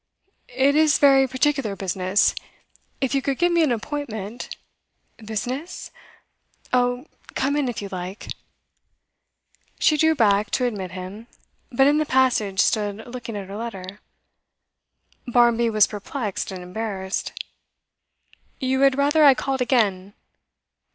'It is very particular business. If you could give me an appointment ' 'Business? Oh, come in, if you like.' She drew back to admit him, but in the passage stood looking at her letter. Barmby was perplexed and embarrassed. 'You had rather I called again?